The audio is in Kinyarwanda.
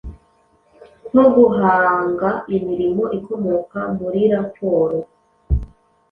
nko guhanga imirimo ikomoka muriraporo